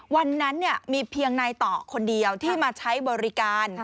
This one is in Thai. วันนั้นมีเพียงนายต่อคนเดียวที่มาใช้บริการ